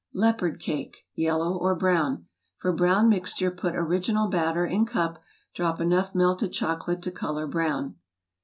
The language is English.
_ Leopard Cake (Yellow or Brown) For brown mixture put original batter in cup, drop enough melted chocolate to color brown.